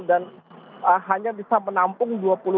dan hanya bisa menampung